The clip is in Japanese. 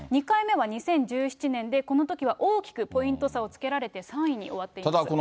２回目は２０１７年で、このときは大きくポイント差をつけられて、３位に終わっています。